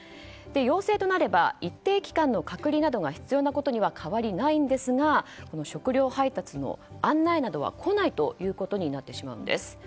陽性となれば一定期間の隔離が必要なことには変わりないんですが食料配達の案内などは来ないということになってしまうんです。